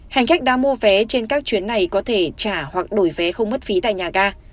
hành khách đã mua vé trên các chuyến này có thể trả hoặc đổi vé không mất phí tại nhà ga